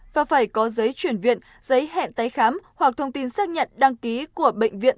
và phải có giấy chuyển viện giấy hẹn tái khám hoặc thông tin xác nhận đăng ký của bệnh viện